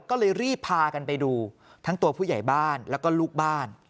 ก็เลยรีบพากันไปดูทั้งตัวผู้ใหญ่บ้านแล้วก็ลูกบ้าน